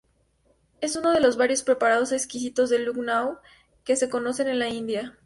Es uno de varios preparados exquisitos de Lucknow que se conocen en la India.